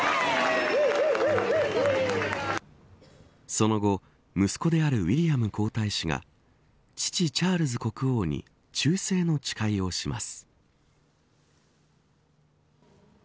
その後、息子であるウィリアム皇太子が父チャールズ国王に忠誠の誓いをします。